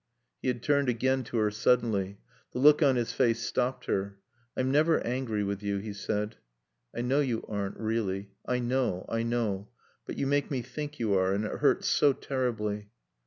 He had turned again to her suddenly. The look on his face stopped her. "I'm never angry with you," he said. "I know you aren't really. I know. I know. But you make me think you are; and it hurts so terribly."